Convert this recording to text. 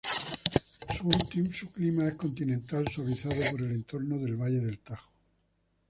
Su clima es continental suavizado por el entorno del valle del Tajo.